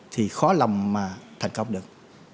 thì khó lòng mà thành công được